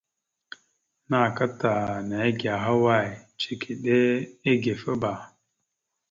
Naka ta nège ahaway? Cikiɗe igefaba.